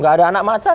gak ada anak macan